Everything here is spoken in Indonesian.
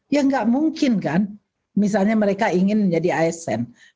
ya gak mungkin kan misalnya mereka ingin jadi asn